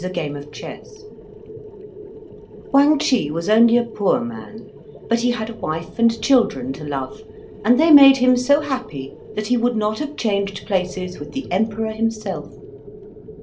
The Feast of the Lanterns Wang Chih was only a poor man, but he had a wife and children to love, and they made him so happy that he would not have changed places with the Emperor himself.